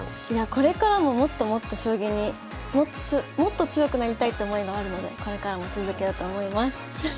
いやこれからももっともっと将棋にもっと強くなりたいって思いがあるのでこれからも続けようと思います。